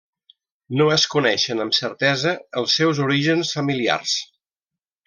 No es coneixen amb certesa els seus orígens familiars.